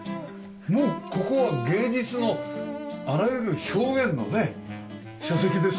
もうここは芸術のあらゆる表現のね書籍ですよね。